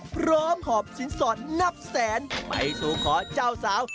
หอบสินสอดนับแสนไปสู่ขอเจ้าสาว